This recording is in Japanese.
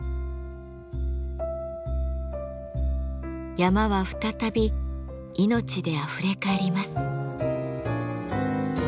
山は再び命であふれかえります。